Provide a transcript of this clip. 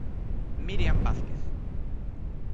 Míriam Vázquez.